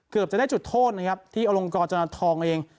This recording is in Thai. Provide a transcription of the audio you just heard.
เกือบจะได้จุดโทษนะครับที่อลงกรจนันทองเอง